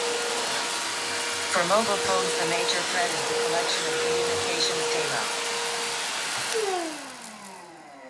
For mobile phones the major threat is the collection of communications data.